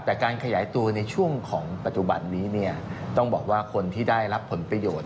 แต่การขยายตัวในช่วงของปัจจุบันนี้เนี่ยต้องบอกว่าคนที่ได้รับผลประโยชน์